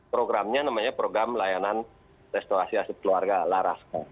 programnya namanya program layanan restorasi aset keluarga laras